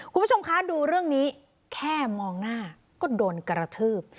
คุณผู้ชมคะดูเรื่องนี้แค่มองหน้าก็โดนกระทืบ